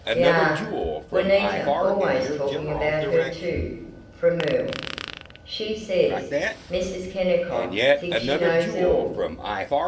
"Yuh. Juanita's always talking about her, too," from Earl. "She says Mrs. Kennicott thinks she knows it all.